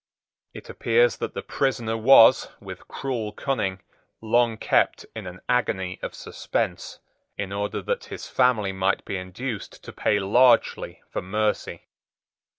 It appears that the prisoner was, with cruel cunning, long kept in an agony of suspense, in order that his family might be induced to pay largely for mercy.